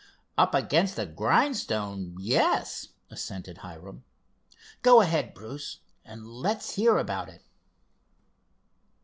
"Up against a grindstone; yes," assented Hiram. "Go ahead, Bruce, and let's hear about it."